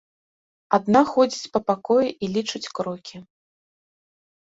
Адна ходзіць па пакоі і лічыць крокі.